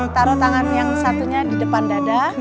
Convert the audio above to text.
taruh tangan yang satunya di depan dada